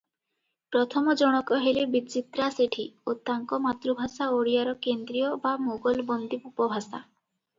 ପ୍ରଥମ ଜଣକ ହେଲେ ବିଚିତ୍ରା ସେଠୀ ଓ ତାଙ୍କ ମାତୃଭାଷା ଓଡ଼ିଆର କେନ୍ଦ୍ରୀୟ ବା ମୋଗଲବନ୍ଦୀ ଉପଭାଷା ।